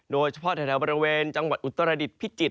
โดยเฉพาะแถวบริเวณจังหวัดอุตรดิษฐพิจิตร